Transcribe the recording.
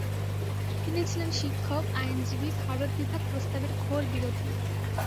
তিনি ছিলেন শিক্ষক, আইনজীবী, ভারতবিভাগ প্রস্তাবের ঘোরবিরোধী।